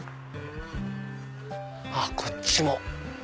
あっこっちも。